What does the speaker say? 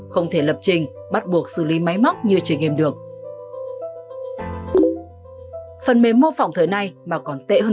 không thể lập trình bắt buộc xử lý máy móc như chơi game được